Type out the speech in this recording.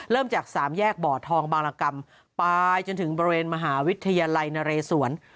จากสามแยกบ่อทองบางรกรรมไปจนถึงบริเวณมหาวิทยาลัยนเรศวร